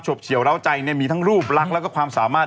เฉียวร้าวใจเนี่ยมีทั้งรูปลักษณ์แล้วก็ความสามารถ